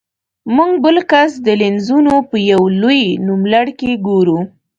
موږ بل کس د لینزونو په یو لوی نوملړ کې ګورو.